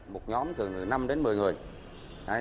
một nhóm thường là năm đến một mươi người